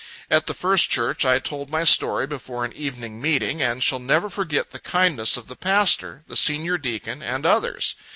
At the First Church I told my story before an evening meeting, and shall never forget the kindness of the pastor, the senior deacon, and others.